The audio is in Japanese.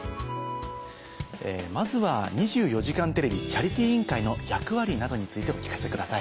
まずは「２４時間テレビチャリティー委員会」の役割などについてお聞かせください。